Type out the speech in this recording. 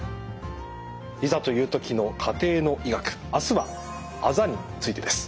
「いざという時の家庭の医学」明日はあざについてです。